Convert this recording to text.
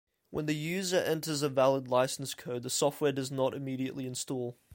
When the user enters a valid license code, the software does not immediately install.